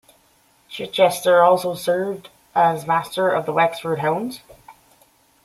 Chichester also served as master of the Wexford Hounds.